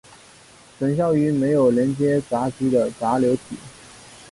等效于没有连接闸极的闸流体。